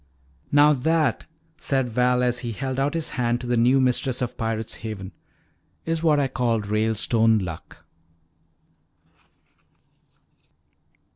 "Now that," said Val, as he held out his hand to the new mistress of Pirate's Haven, "is what I call 'Ralestone Luck.'"